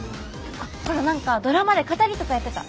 ほら何かドラマで語りとかやってた。